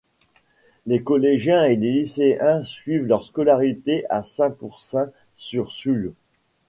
Les collégiens et les lycéens suivent leur scolarité à Saint-Pourçain-sur-Sioule.